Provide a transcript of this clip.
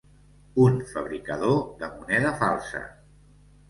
Un fabricador de moneda falsa.